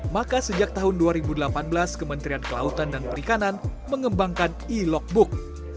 maka sejak tahun dua ribu delapan belas kementerian kelautan dan perikanan mengembangkan e logbook